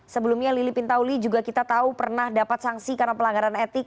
sebelumnya lili pintauli juga kita tahu pernah dapat sanksi karena pelanggaran etik